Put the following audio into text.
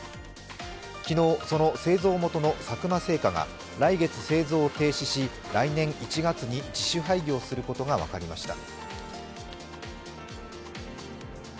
昨日、その製造元の佐久間製菓が来月製造を停止し来年１月に自主廃業することが分かりました。